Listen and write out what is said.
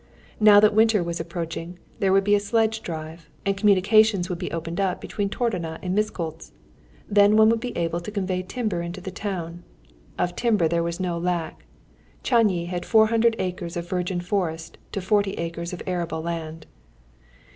Now that winter was approaching, there would be a sledge drive, and communications would be opened up between Tordona and Miskolcz. Then one would be able to convey timber into the town. Of timber there was no lack. Csányi had four hundred acres of virgin forest to forty acres of arable land.